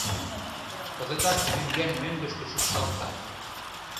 Кызытак мӧҥган-мӧҥгышкӧ шикшалтса.